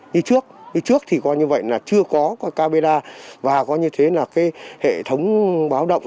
như trước như trước thì coi như vậy là chưa có cái camera và coi như thế là cái hệ thống báo động